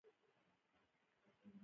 شاوخوا یې د یهودانو زاړه کورونه دي.